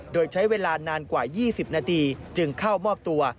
โดยใช้เวลานานกว่า๒๐นาทีจึงเข้ามอบตัว